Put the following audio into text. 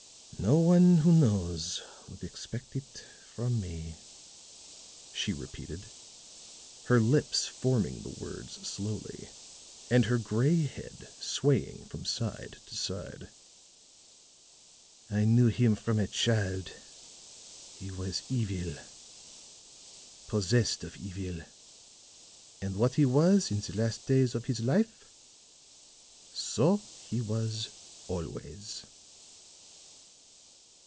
"No one who knows would expect it from me," she repeated, her lips forming the words slowly, and her gray head swaying from side to side. "I knew him from a child. He was evil possessed of evil; and what he was in the last days of his life, so he was always."